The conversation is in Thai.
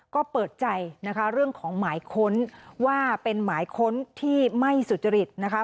ก็เปิดใจนะคะเรื่องของหมายค้นว่าเป็นหมายค้นที่ไม่สุจริตนะคะ